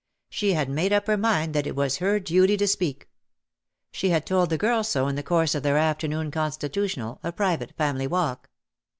She had made up her mind that it was her duty to speak. She had told the girls so in the course of their afternoon constitutional, a private family walk.